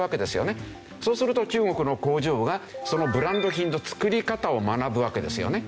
そうすると中国の工場がそのブランド品の作り方を学ぶわけですよね。